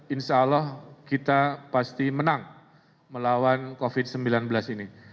insyaallah kita pasti menang melawan covid sembilan belas ini